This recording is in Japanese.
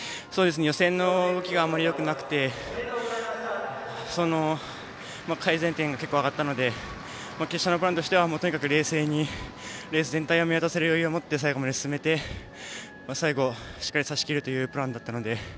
予選の動きがあまりよくなくて改善点が結構分かったので決勝のプランとしてはとにかく冷静にレース全体を見渡せる余裕を持って最後まで進めて、最後しっかりさしきるというプランだったので。